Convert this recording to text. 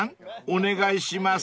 お願いします］